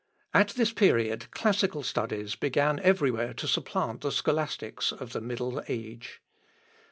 At this period classical studies began every where to supplant the scholastics of the middle age.